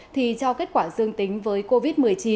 thì cho kết quả dương tính với covid một mươi chín